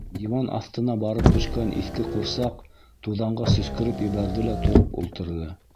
Диван аҫтына барып төшкән иҫке ҡурсаҡ туҙанға сөскөрөп ебәрҙе лә, тороп ултырҙы.